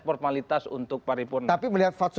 formalitas untuk pari purna tapi melihat